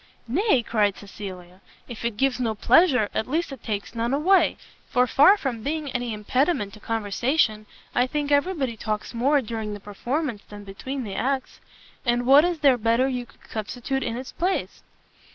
"Nay," cried Cecilia, "if it gives no pleasure, at least it takes none away; for, far from being any impediment to conversation, I think every body talks more during the performance than between the acts. And what is there better you could substitute in its place?"